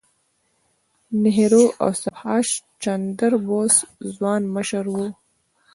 نهرو او سبهاش چندر بوس ځوان مشران وو.